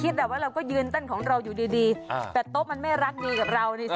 แต่โต๊ะมันไม่รักดีกับเรา